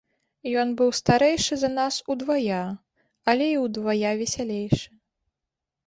Ён быў старэйшы за нас удвая, але і ўдвая весялейшы.